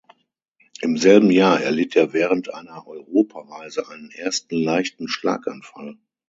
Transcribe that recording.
Im selben Jahr erlitt er während einer Europareise einen ersten leichten Schlaganfall.